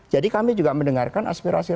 jadi kami juga mendengarkan aspirasi